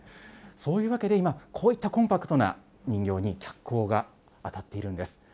そういうわけで今、こういったコンパクトな人形に脚光が当たっているんです。